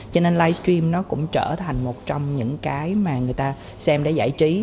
cho nên live stream nó cũng trở thành một trong những cái mà người ta xem để giải trí